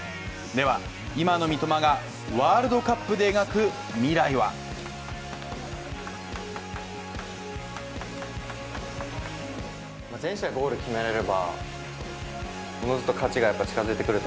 では、今の三笘がワールドカップで描く未来は全試合でゴールを決める。